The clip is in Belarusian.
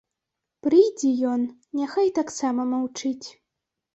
Прыйдзе ён, няхай таксама маўчыць.